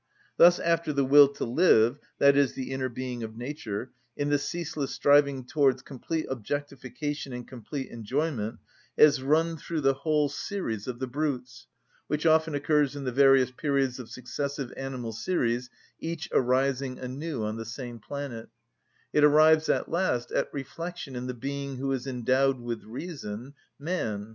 Thus after the will to live, i.e., the inner being of nature, in the ceaseless striving towards complete objectification and complete enjoyment, has run through the whole series of the brutes,—which often occurs in the various periods of successive animal series each arising anew on the same planet,—it arrives at last at reflection in the being who is endowed with reason, man.